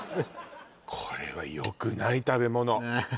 これはよくない食べ物